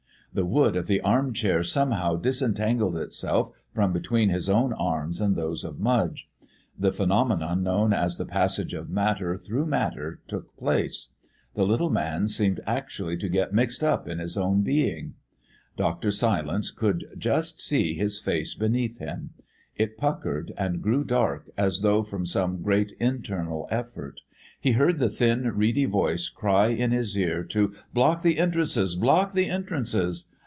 The wood of the arm chair somehow disentangled itself from between his own arms and those of Mudge. The phenomenon known as the passage of matter through matter took place. The little man seemed actually to get mixed up in his own being. Dr. Silence could just see his face beneath him. It puckered and grew dark as though from some great internal effort. He heard the thin, reedy voice cry in his ear to "Block the entrances, block the entrances!"